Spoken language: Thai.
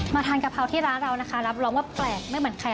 ทานกะเพราที่ร้านเรานะคะรับรองว่าแปลกไม่เหมือนใคร